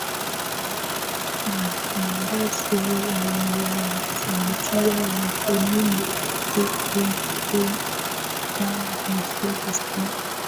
matangazo yanawasaidia wakulima kukumbuka vizuri sana